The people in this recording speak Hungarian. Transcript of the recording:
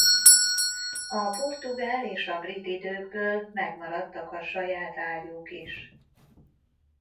A portugál és a brit időkből megmaradtak a saját ágyúk is.